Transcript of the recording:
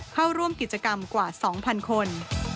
เข้าร่วมกิจกรรมกว่า๒๐๐คน